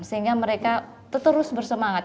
sehingga mereka terus bersemangat